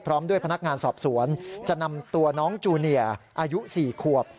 พร้อมด้วยพนักงานสอบสวนจะนำตัวน้องจูเนียอายุ๔ขวบ